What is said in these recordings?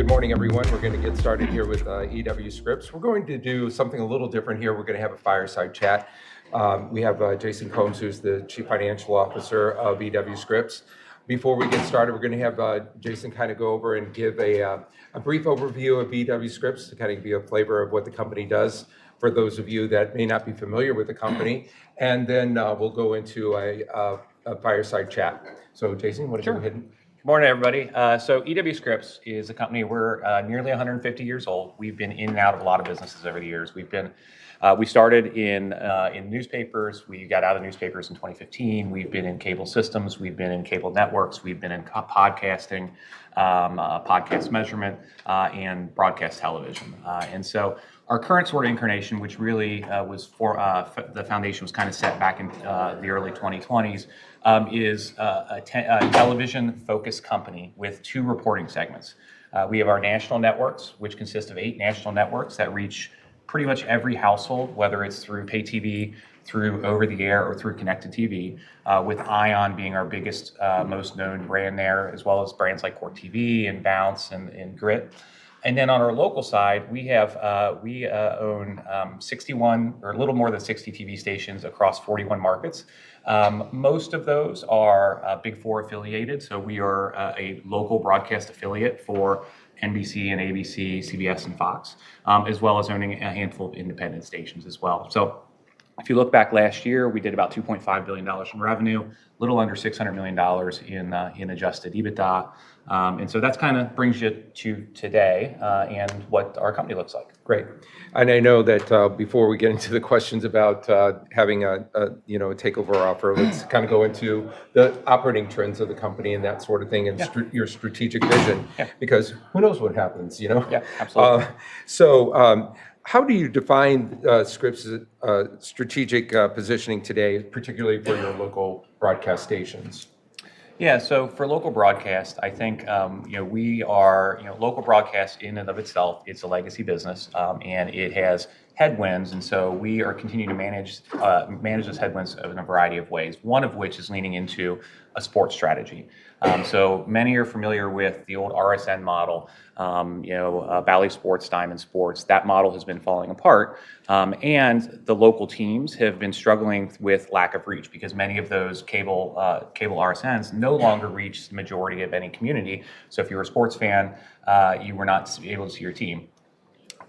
Good morning, everyone. We're going to get started here with E.W. Scripps. We're going to do something a little different here. We're going to have a fireside chat. We have Jason Combs, who's the Chief Financial Officer of E.W. Scripps. Before we get started, we're going to have Jason kind of go over and give a brief overview of E.W. Scripps to kind of give you a flavor of what the company does for those of you that may not be familiar with the company, and then we'll go into a fireside chat. So, Jason, what are you waiting for? Sure. Good morning, everybody. E.W. Scripps is a company. We're nearly 150 years old. We've been in and out of a lot of businesses over the years. We started in newspapers. We got out of newspapers in 2015. We've been in cable systems. We've been in cable networks. We've been in podcasting, podcast measurement, and broadcast television. Our current sort of incarnation, which really was the foundation was kind of set back in the early 2020s, is a television-focused company with two reporting segments. We have our national networks, which consist of eight national networks that reach pretty much every household, whether it's through pay TV, through over-the-air, or through connected TV, with ION being our biggest, most known brand there, as well as brands like Court TV and Bounce and Grit. And then on our local side, we own 61 or a little more than 60 TV stations across 41 markets. Most of those are Big Four affiliated. So we are a local broadcast affiliate for NBC and ABC, CBS, and Fox, as well as owning a handful of independent stations as well. So if you look back last year, we did about $2.5 billion in revenue, a little under $600 million in Adjusted EBITDA. And so that kind of brings you to today and what our company looks like. Great. And I know that before we get into the questions about having a takeover offer, let's kind of go into the operating trends of the company and that sort of thing and your strategic vision, because who knows what happens, you know? Yeah, absolutely. So how do you define Scripps' strategic positioning today, particularly for your local broadcast stations? Yeah, so for local broadcast, I think we are local broadcast in and of itself, it's a legacy business, and it has headwinds, and so we are continuing to manage those headwinds in a variety of ways, one of which is leaning into a sports strategy, so many are familiar with the old RSN model, Bally Sports, Diamond Sports. That model has been falling apart, and the local teams have been struggling with lack of reach because many of those cable RSNs no longer reach the majority of any community, so if you're a sports fan, you were not able to see your team.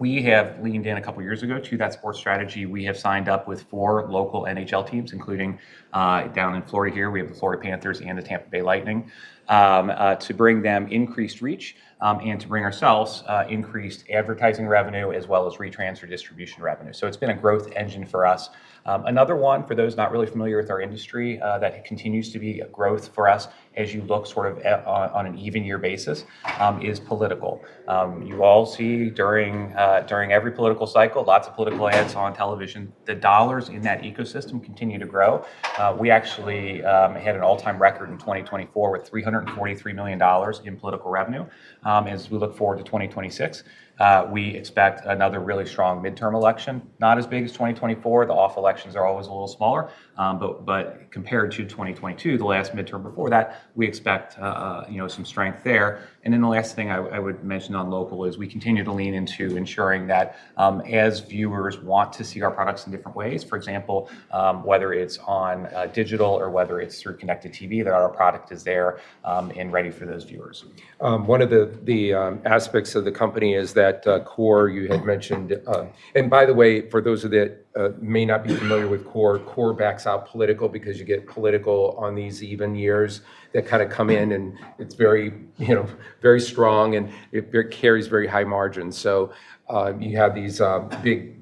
We have leaned in a couple of years ago to that sports strategy. We have signed up with four local NHL teams, including down in Florida here. We have the Florida Panthers and the Tampa Bay Lightning, to bring them increased reach and to bring ourselves increased advertising revenue as well as retrans or distribution revenue. So it's been a growth engine for us. Another one, for those not really familiar with our industry, that continues to be a growth for us as you look sort of on an even year basis, is political. You all see during every political cycle, lots of political ads on television, the dollars in that ecosystem continue to grow. We actually had an all-time record in 2024 with $343 million in political revenue. As we look forward to 2026, we expect another really strong midterm election, not as big as 2024. The off-elections are always a little smaller. But compared to 2022, the last midterm before that, we expect some strength there. The last thing I would mention on local is we continue to lean into ensuring that as viewers want to see our products in different ways, for example, whether it's on digital or whether it's through connected TV, that our product is there and ready for those viewers. One of the aspects of the company is that core you had mentioned, and by the way, for those that may not be familiar with core, core backs out political because you get political on these even years that kind of come in, and it's very strong and carries very high margins, so you have these big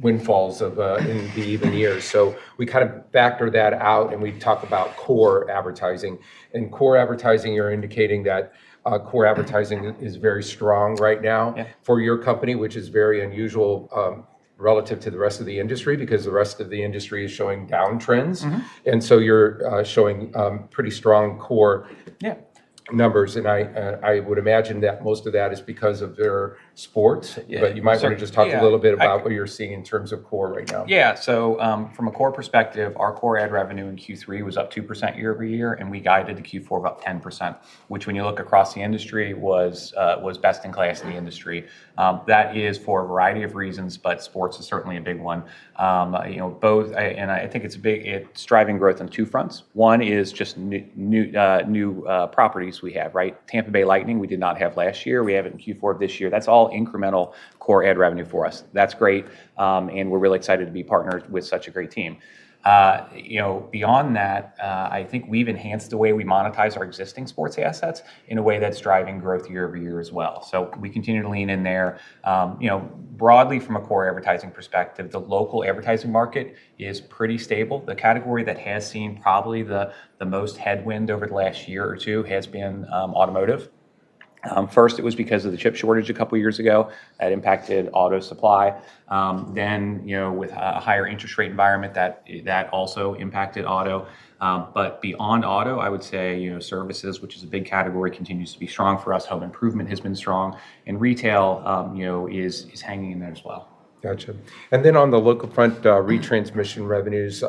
windfalls in the even years, so we kind of factor that out and we talk about core advertising, and core advertising, you're indicating that core advertising is very strong right now for your company, which is very unusual relative to the rest of the industry because the rest of the industry is showing downtrends, and so you're showing pretty strong core numbers, and I would imagine that most of that is because of their sports. But you might want to just talk a little bit about what you're seeing in terms of core right now. Yeah. So from a core perspective, our core ad revenue in Q3 was up 2% year over year, and we guided the Q4 about 10%, which when you look across the industry was best in class in the industry. That is for a variety of reasons, but sports is certainly a big one, and I think it's driving growth on two fronts. One is just new properties we have, right? Tampa Bay Lightning, we did not have last year. We have it in Q4 of this year. That's all incremental core ad revenue for us. That's great, and we're really excited to be partnered with such a great team. Beyond that, I think we've enhanced the way we monetize our existing sports assets in a way that's driving growth year over year as well, so we continue to lean in there. Broadly, from a core advertising perspective, the local advertising market is pretty stable. The category that has seen probably the most headwind over the last year or two has been automotive. First, it was because of the chip shortage a couple of years ago. That impacted auto supply. Then, with a higher interest rate environment, that also impacted auto. But beyond auto, I would say services, which is a big category, continues to be strong for us. Home improvement has been strong. And retail is hanging in there as well. Gotcha. And then on the local front, retransmission revenues,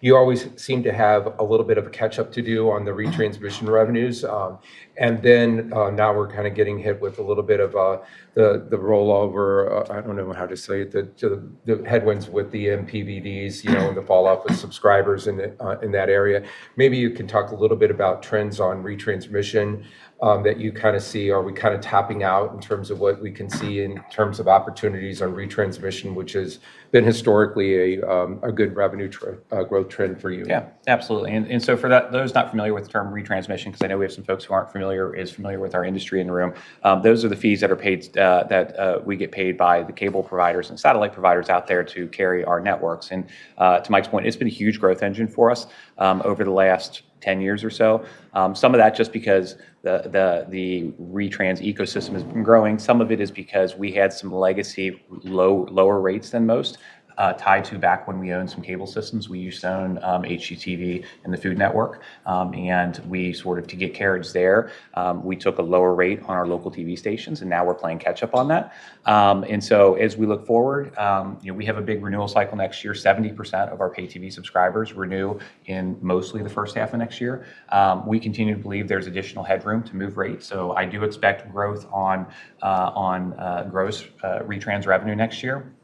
you always seem to have a little bit of a catch-up to do on the retransmission revenues. And then now we're kind of getting hit with a little bit of the rollover, I don't know how to say it, the headwinds with the MVPDs and the falloff with subscribers in that area. Maybe you can talk a little bit about trends on retransmission that you kind of see. Are we kind of tapping out in terms of what we can see in terms of opportunities on retransmission, which has been historically a good revenue growth trend for you? Yeah, absolutely. And so for those not familiar with the term retransmission, because I know we have some folks who aren't familiar with our industry in the room, those are the fees that we get paid by the cable providers and satellite providers out there to carry our networks. And to Mike's point, it's been a huge growth engine for us over the last 10 years or so. Some of that just because the retrans ecosystem has been growing. Some of it is because we had some legacy lower rates than most tied to back when we owned some cable systems. We used to own HGTV and the Food Network. And we sort of, to get carriage there, we took a lower rate on our local TV stations, and now we're playing catch-up on that. And so as we look forward, we have a big renewal cycle next year. 70% of our pay TV subscribers renew in mostly the first half of next year. We continue to believe there's additional headroom to move rate. So I do expect growth on gross retrans revenue next year.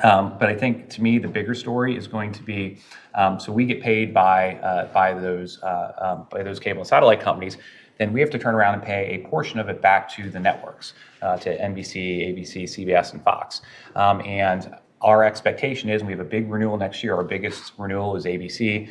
But I think to me, the bigger story is going to be, so we get paid by those cable and satellite companies, then we have to turn around and pay a portion of it back to the networks, to NBC, ABC, CBS, and Fox. And our expectation is, and we have a big renewal next year, our biggest renewal is ABC.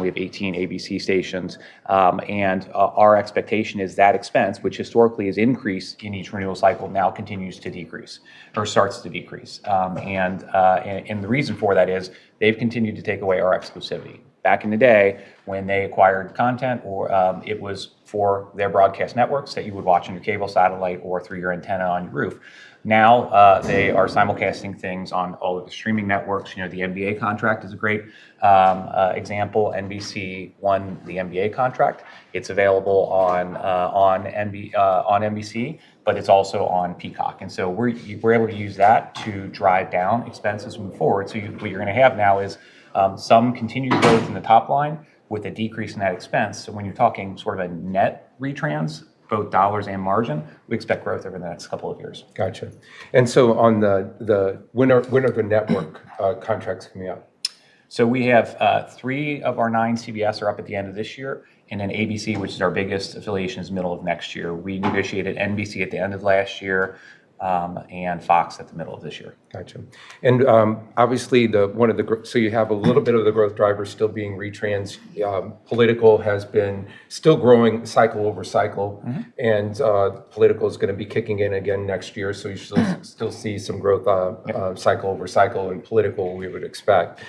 We have 18 ABC stations. And our expectation is that expense, which historically has increased in each renewal cycle, now continues to decrease or starts to decrease. And the reason for that is they've continued to take away our exclusivity. Back in the day, when they acquired content, it was for their broadcast networks that you would watch on your cable, satellite, or through your antenna on your roof. Now they are simulcasting things on all of the streaming networks. The NBA contract is a great example. NBC won the NBA contract. It's available on NBC, but it's also on Peacock. And so we're able to use that to drive down expenses and move forward. So what you're going to have now is some continued growth in the top line with a decrease in that expense. So when you're talking sort of a net retrans, both dollars and margin, we expect growth over the next couple of years. Gotcha. And so when are the network contracts coming out? So, we have three of our nine CBS are up at the end of this year. And then ABC, which is our biggest affiliation, is middle of next year. We negotiated NBC at the end of last year and Fox at the middle of this year. Gotcha. And obviously, one of the, so you have a little bit of the growth drivers still being retrans. Political has been still growing cycle over cycle. And political is going to be kicking in again next year. So you still see some growth cycle over cycle in political, we would expect.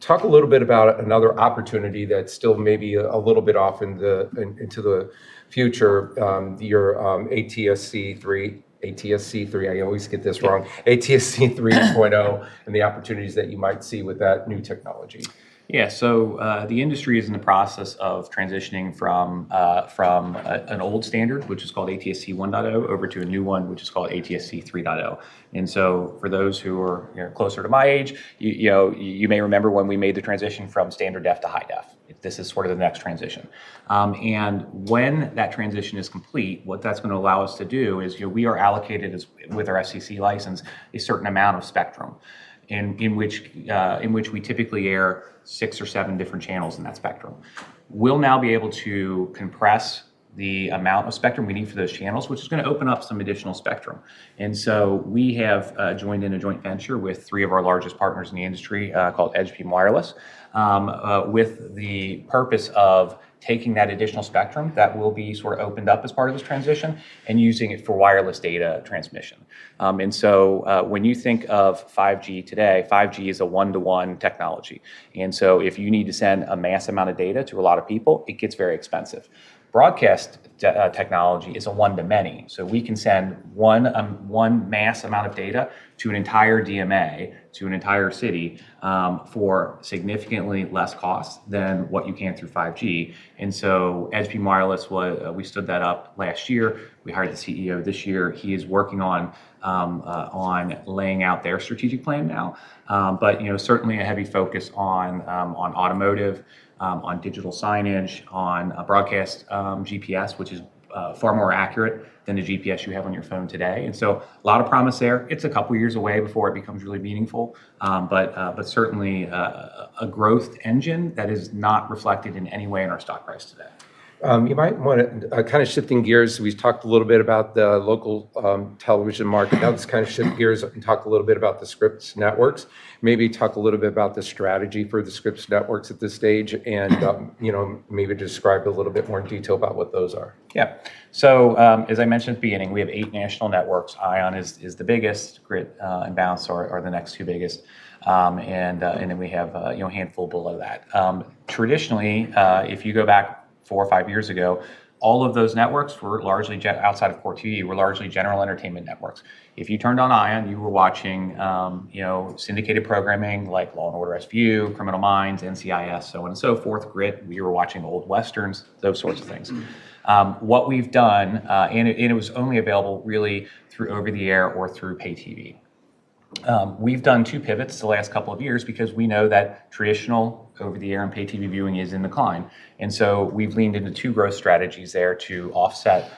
Talk a little bit about another opportunity that's still maybe a little bit off into the future, your ATSC 3. I always get this wrong. ATSC 3.0 and the opportunities that you might see with that new technology. Yeah, so the industry is in the process of transitioning from an old standard, which is called ATSC 1.0, over to a new one, which is called ATSC 3.0, and so for those who are closer to my age, you may remember when we made the transition from standard def to high def. This is sort of the next transition, and when that transition is complete, what that's going to allow us to do is we are allocated with our FCC license a certain amount of spectrum in which we typically air six or seven different channels in that spectrum. We'll now be able to compress the amount of spectrum we need for those channels, which is going to open up some additional spectrum. We have joined in a joint venture with three of our largest partners in the industry called EdgeBeam Wireless, with the purpose of taking that additional spectrum that will be sort of opened up as part of this transition and using it for wireless data transmission. When you think of 5G today, 5G is a one-to-one technology. If you need to send a mass amount of data to a lot of people, it gets very expensive. Broadcast technology is a one-to-many. We can send one mass amount of data to an entire DMA, to an entire city for significantly less cost than what you can through 5G. EdgeBeam Wireless, we stood that up last year. We hired the CEO this year. He is working on laying out their strategic plan now. But certainly a heavy focus on automotive, on digital signage, on Broadcast GPS, which is far more accurate than the GPS you have on your phone today. And so a lot of promise there. It's a couple of years away before it becomes really meaningful, but certainly a growth engine that is not reflected in any way in our stock price today. You might want to kind of shift gears. We've talked a little bit about the local television market. Now let's kind of shift gears and talk a little bit about the Scripps Networks. Maybe talk a little bit about the strategy for the Scripps Networks at this stage and maybe describe a little bit more in detail about what those are. Yeah. So as I mentioned at the beginning, we have eight national networks. ION is the biggest. Grit and Bounce are the next two biggest. And then we have a handful below that. Traditionally, if you go back four or five years ago, all of those networks were largely outside of Court TV. They were largely general entertainment networks. If you turned on ION, you were watching syndicated programming like Law and Order SVU, Criminal Minds, NCIS, so on and so forth. Grit, we were watching old westerns, those sorts of things. What we've done, and it was only available really through over-the-air or through pay TV, we've done two pivots the last couple of years because we know that traditional over-the-air and pay TV viewing is in decline. And so we've leaned into two growth strategies there to offset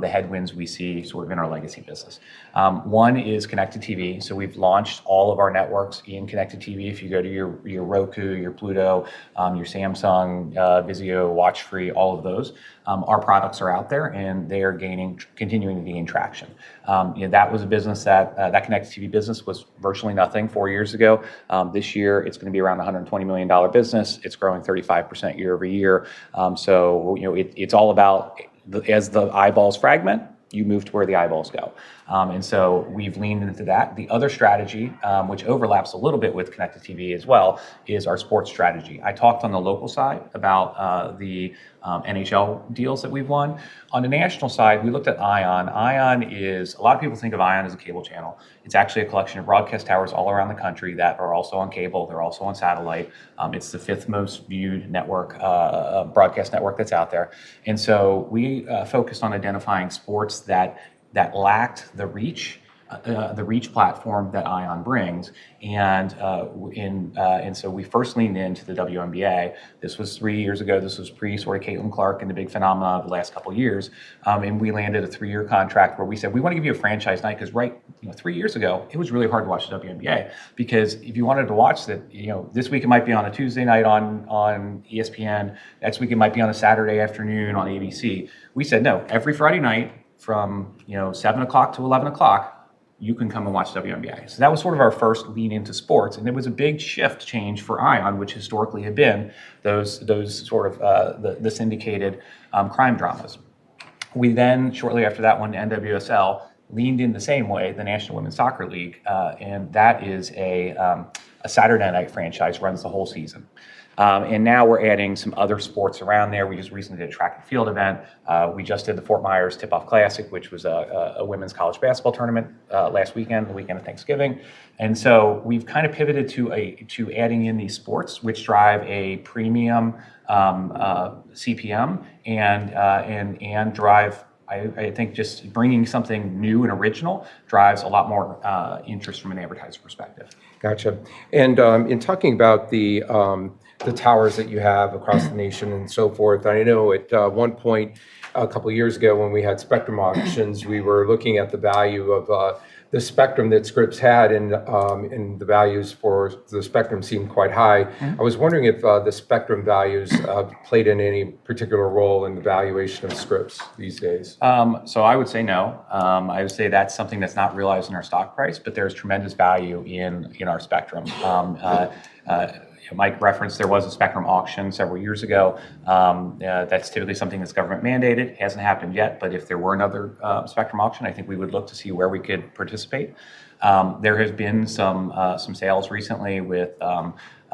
the headwinds we see sort of in our legacy business. One is connected TV, so we've launched all of our networks in connected TV. If you go to your Roku, your Pluto, your Samsung, Vizio, WatchFree+, all of those, our products are out there and they are continuing to gain traction. That was a business that connected TV business was virtually nothing four years ago. This year, it's going to be around a $120 million business. It's growing 35% year over year, so it's all about, as the eyeballs fragment, you move to where the eyeballs go, and so we've leaned into that. The other strategy, which overlaps a little bit with connected TV as well, is our sports strategy. I talked on the local side about the NHL deals that we've won. On the national side, we looked at ION. A lot of people think of ION as a cable channel. It's actually a collection of broadcast towers all around the country that are also on cable. They're also on satellite. It's the fifth most viewed broadcast network that's out there, and so we focused on identifying sports that lacked the reach platform that ION brings, and so we first leaned into the WNBA. This was three years ago. This was pre sort of Caitlin Clark and the big phenomenon of the last couple of years, and we landed a three-year contract where we said, "We want to give you a franchise night," because right three years ago, it was really hard to watch the WNBA because if you wanted to watch that this week, it might be on a Tuesday night on ESPN. Next week, it might be on a Saturday afternoon on ABC. We said, "No, every Friday night from 7:00 P.M. to 11:00 P.M., you can come and watch WNBA." So that was sort of our first lean into sports. And it was a big shift change for ION, which historically had been those sort of the syndicated crime dramas. We then, shortly after that, went to NWSL, leaned in the same way, the National Women's Soccer League. And that is a Saturday night franchise runs the whole season. And now we're adding some other sports around there. We just recently did a track and field event. We just did the Fort Myers Tip-Off Classic, which was a women's college basketball tournament last weekend, the weekend of Thanksgiving. And so we've kind of pivoted to adding in these sports, which drive a premium CPM and drive, I think, just bringing something new and original drives a lot more interest from an advertising perspective. Gotcha. And in talking about the towers that you have across the nation and so forth, I know at one point, a couple of years ago when we had spectrum auctions, we were looking at the value of the spectrum that Scripps had and the values for the spectrum seemed quite high. I was wondering if the spectrum values played in any particular role in the valuation of Scripps these days. I would say no. I would say that's something that's not realized in our stock price, but there is tremendous value in our spectrum. Mike referenced there was a spectrum auction several years ago. That's typically something that's government mandated. It hasn't happened yet, but if there were another spectrum auction, I think we would look to see where we could participate. There has been some sales recently with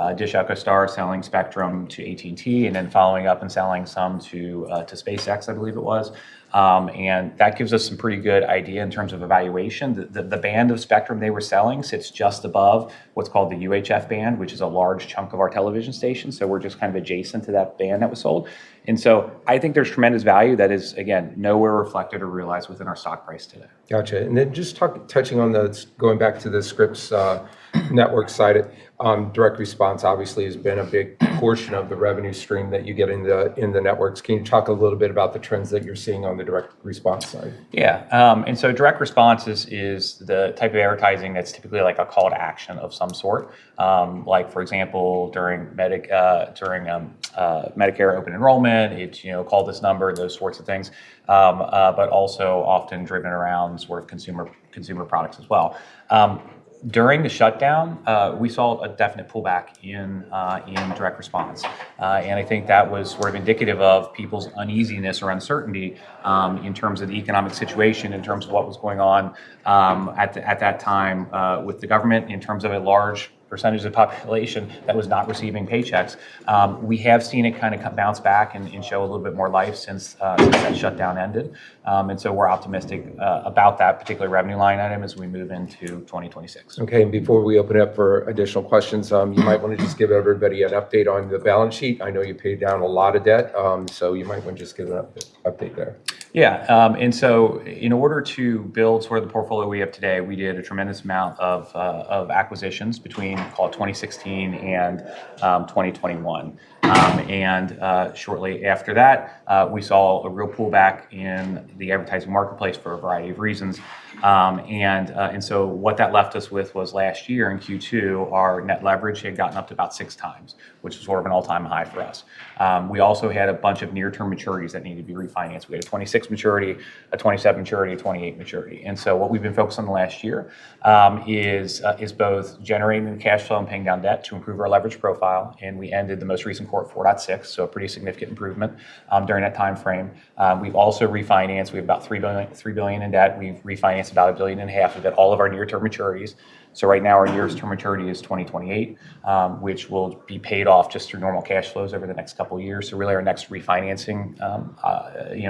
EchoStar selling spectrum to AT&T and then following up and selling some to SpaceX, I believe it was. And that gives us some pretty good idea in terms of evaluation. The band of spectrum they were selling sits just above what's called the UHF band, which is a large chunk of our television station. We're just kind of adjacent to that band that was sold. I think there's tremendous value that is, again, nowhere reflected or realized within our stock price today. Gotcha. And then just touching on those, going back to the Scripps Networks side, direct response obviously has been a big portion of the revenue stream that you get in the networks. Can you talk a little bit about the trends that you're seeing on the direct response side? Yeah. And so direct response is the type of advertising that's typically like a call to action of some sort. Like for example, during Medicare open enrollment, it's call this number and those sorts of things, but also often driven around sort of consumer products as well. During the shutdown, we saw a definite pullback in direct response. And I think that was sort of indicative of people's uneasiness or uncertainty in terms of the economic situation, in terms of what was going on at that time with the government in terms of a large percentage of the population that was not receiving paychecks. We have seen it kind of bounce back and show a little bit more life since that shutdown ended. And so we're optimistic about that particular revenue line item as we move into 2026. Okay. And before we open it up for additional questions, you might want to just give everybody an update on the balance sheet. I know you paid down a lot of debt, so you might want to just give an update there. Yeah. And so in order to build sort of the portfolio we have today, we did a tremendous amount of acquisitions between 2016 and 2021. And shortly after that, we saw a real pullback in the advertising marketplace for a variety of reasons. And so what that left us with was last year in Q2, our net leverage had gotten up to about six times, which was sort of an all-time high for us. We also had a bunch of near-term maturities that needed to be refinanced. We had a 2026 maturity, a 2027 maturity, a 2028 maturity. And so what we've been focused on the last year is both generating cash flow and paying down debt to improve our leverage profile. And we ended the most recent quarter at 4.6, so a pretty significant improvement during that timeframe. We've also refinanced. We have about $3 billion in debt. We've refinanced about $1.5 billion. We've got all of our near-term maturities. So right now, our nearest term maturity is 2028, which will be paid off just through normal cash flows over the next couple of years. So really, our next refinancing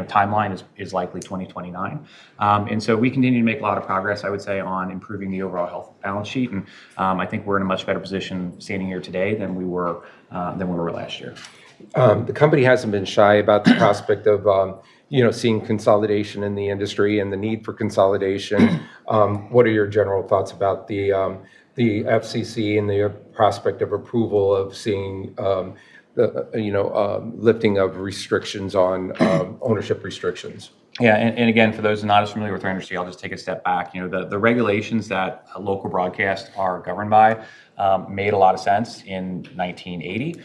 timeline is likely 2029. And so we continue to make a lot of progress, I would say, on improving the overall health balance sheet. And I think we're in a much better position standing here today than we were last year. The company hasn't been shy about the prospect of seeing consolidation in the industry and the need for consolidation. What are your general thoughts about the FCC and the prospect of approval of seeing the lifting of restrictions on ownership restrictions? Yeah. And again, for those not as familiar with our industry, I'll just take a step back. The regulations that local broadcasts are governed by made a lot of sense in 1980.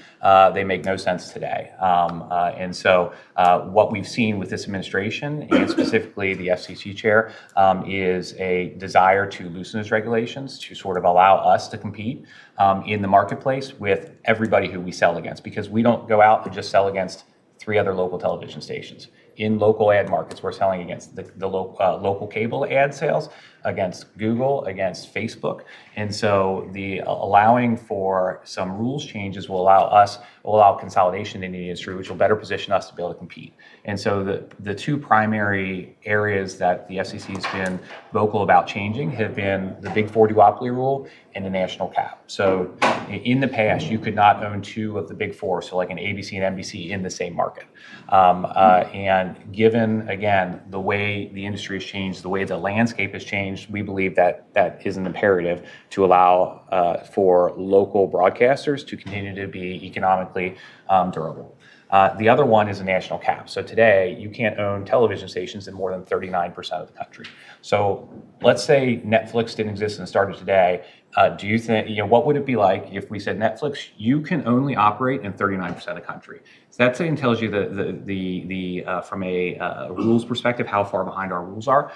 They make no sense today. And so what we've seen with this administration and specifically the FCC chair is a desire to loosen those regulations to sort of allow us to compete in the marketplace with everybody who we sell against because we don't go out and just sell against three other local television stations. In local ad markets, we're selling against the local cable ad sales, against Google, against Facebook. And so allowing for some rules changes will allow us, will allow consolidation in the industry, which will better position us to be able to compete. And so the two primary areas that the FCC has been vocal about changing have been the Big Four duopoly rule and the national cap. So in the past, you could not own two of the Big Four, so like an ABC and NBC in the same market. And given, again, the way the industry has changed, the way the landscape has changed, we believe that that is an imperative to allow for local broadcasters to continue to be economically durable. The other one is a national cap. So today, you can't own television stations in more than 39% of the country. So let's say Netflix didn't exist and started today. What would it be like if we said, "Netflix, you can only operate in 39% of the country"? So that tells you from a rules perspective how far behind our rules are.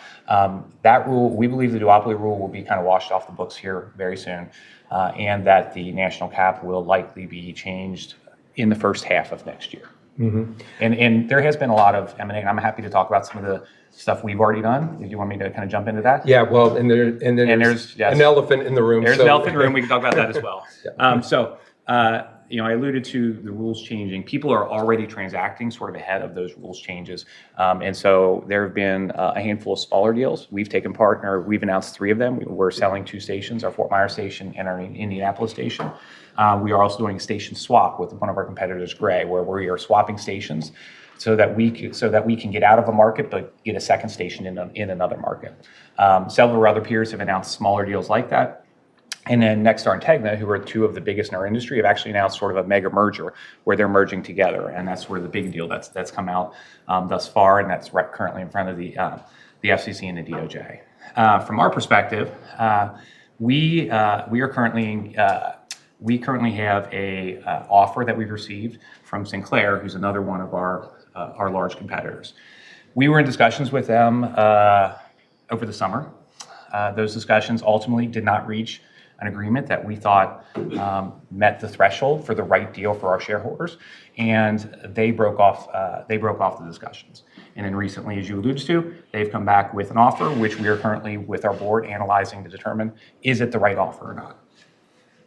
That rule, we believe the duopoly rule will be kind of washed off the books here very soon and that the national cap will likely be changed in the first half of next year, and there has been a lot of, I mean, and I'm happy to talk about some of the stuff we've already done. If you want me to kind of jump into that. Yeah, well, and there's an elephant in the room. There's an elephant in the room. We can talk about that as well, so I alluded to the rules changing. People are already transacting sort of ahead of those rules changes, and so there have been a handful of smaller deals. We've taken part. We've announced three of them. We're selling two stations, our Fort Myers station and our Indianapolis station. We are also doing a station swap with one of our competitors, Gray, where we are swapping stations so that we can get out of a market, but get a second station in another market. Several other peers have announced smaller deals like that, and then Nexstar and TEGNA, who are two of the biggest in our industry, have actually announced sort of a mega merger where they're merging together. That's where the big deal that's come out thus far, and that's currently in front of the FCC and the DOJ. From our perspective, we currently have an offer that we've received from Sinclair, who's another one of our large competitors. We were in discussions with them over the summer. Those discussions ultimately did not reach an agreement that we thought met the threshold for the right deal for our shareholders. They broke off the discussions. Recently, as you alluded to, they've come back with an offer, which we are currently with our board analyzing to determine is it the right offer or not.